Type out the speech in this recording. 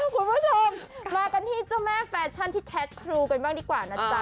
คุณผู้ชมมากันที่เจ้าแม่แฟชั่นที่แท็กครูกันบ้างดีกว่านะจ๊ะ